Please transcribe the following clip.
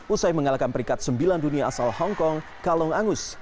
usai menggalakkan peringkat sembilan dunia asal hong kong kalong angus